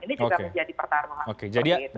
ini juga menjadi pertarungan